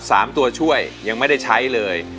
สามตัวช่วยยังไม่ได้ใช้เลย